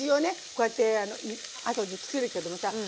こうやってあとで作るけどもさあ。